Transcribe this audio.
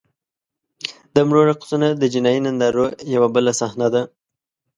د مړو رقصونه د جنایي نندارو یوه بله صحنه ده.